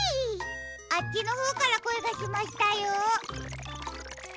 あっちのほうからこえがしましたよ。